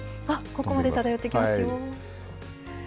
ここまで漂ってきますよ。